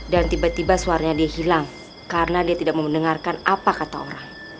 dan tiba tiba suaranya dia hilang karena dia tidak mau mendengarkan apa kata orang